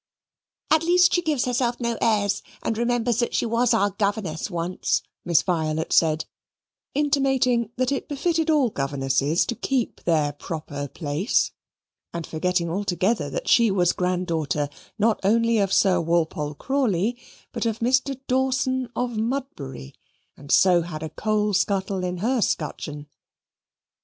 "At least she gives herself no airs and remembers that she was our Governess once," Miss Violet said, intimating that it befitted all governesses to keep their proper place, and forgetting altogether that she was granddaughter not only of Sir Walpole Crawley, but of Mr. Dawson of Mudbury, and so had a coal scuttle in her scutcheon.